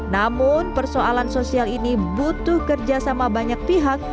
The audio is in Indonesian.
namun persoalan sosial ini butuh kerja sama banyak pihak